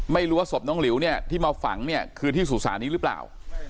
ไม่รู้ว่าศพน้องหลิวเนี่ยที่มาฝังเนี่ยคือที่สุสานนี้หรือเปล่า